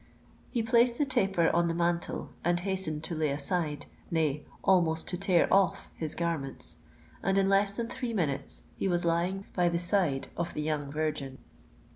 He placed the taper on the mantel, and hastened to lay aside—nay, almost to tear off his garments; and in less than three minutes he was lying by the side of the young virgin.